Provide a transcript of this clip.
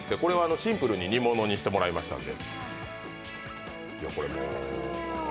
シンプルに煮物にしていただいたので。